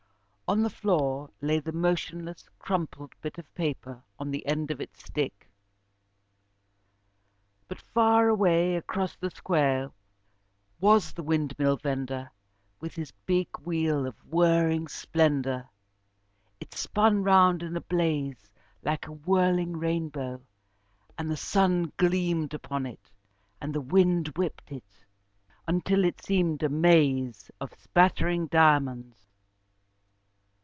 On the floor lay the motionless, crumpled bit of paper on the end of its stick. But far away across the square was the windmill vendor, with his big wheel of whirring splendour. It spun round in a blaze like a whirling rainbow, and the sun gleamed upon it, and the wind whipped it, until it seemed a maze of spattering diamonds.